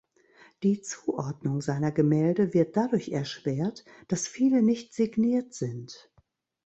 Die Zuordnung seiner Gemälde wird dadurch erschwert, dass viele nicht signiert sind.